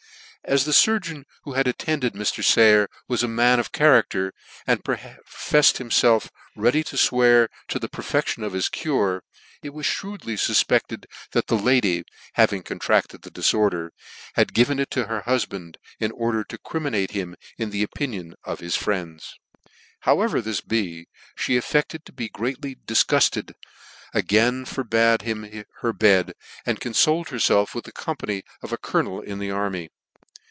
As the fur gcon who bad attended Mr. Sayer was a man of character ^ and profefied himfelf ready to fwcar to the perfection of his cure, it was (hrewdly fufpec ted that the lady, having contracted the dilorder, had given it to her hufband, in order to criminate him in the opinion of his friends. Hoivever this be, fhe affected to be greatly dif gufted, again forbad him her bed, and confolecf herfelf with the company of a colonel in the army.